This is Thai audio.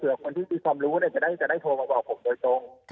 เพื่อคนที่มีความรู้จะได้โทรมาบอกผมโดยตรง